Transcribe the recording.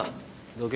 どけ。